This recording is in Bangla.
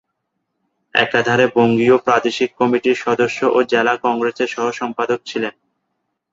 একাধারে বঙ্গীয় প্রাদেশিক কমিটির সদস্য ও জেলা কংগ্রেসের সহ- সম্পাদক ছিলেন।